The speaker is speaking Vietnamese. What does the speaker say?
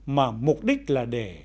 mà mục đích là để